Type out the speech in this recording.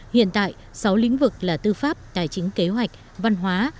hiện tại sáu lĩnh vực là tư pháp tài chính kế hoạch văn hóa